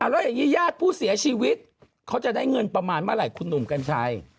แล้วอย่างนี้ญาติผู้เสียชีวิตเขาจะได้เงินประมาณเมื่อไหร่คุณหนุ่มกัญชัย